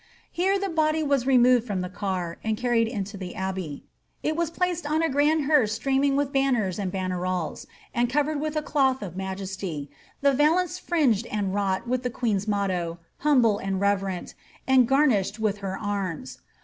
Here the body was removed from the car, and carried into the abbey. It was placed on a grand hearse streaming with banners and banneroles, and covered with a ^^ cloth of majesty," the valence fringed and wrought with the queen's motto, ^ Humble and Reverent," and garnished with her arms.